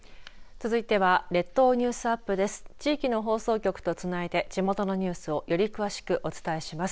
続いては列島ニュースアップです。